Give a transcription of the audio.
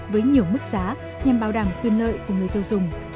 với nhiều mức giá nhằm bảo đảm quyền lợi của người tiêu dùng